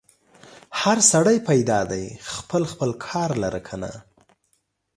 هر سړی پیدا دی خپل خپل کار لره که نه؟